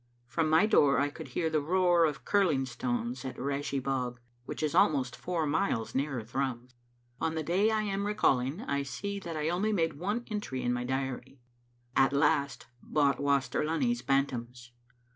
From my door I could hear the roar of curling stones at Rash ie bog, which is almost four miles nearer Thrums. On the day I am recalling, I see that I only made one entry in my diary, " At last bought Waster Lunny's bantams."